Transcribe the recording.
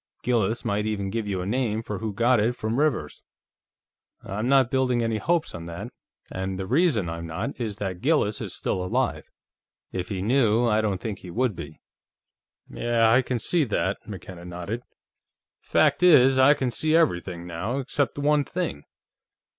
Gillis might even give you a name for who got it from Rivers. I'm not building any hopes on that, and the reason I'm not is that Gillis is still alive. If he knew, I don't think he would be." "Yeah. I can see that," McKenna nodded. "Fact is, I can see everything, now, except one thing.